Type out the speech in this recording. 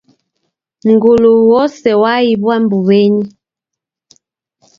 Mngulu wose waiw'a mbuw'enyi